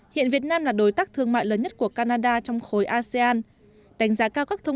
hiện việt nam là đối tác thương mại lớn nhất của canada trong khối asean